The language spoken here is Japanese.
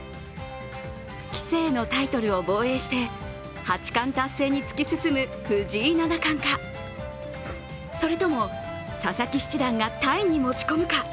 棋聖のタイトルを防衛して八冠達成に突き進む藤井七冠かそれとも、佐々木七段がタイに持ち込むか。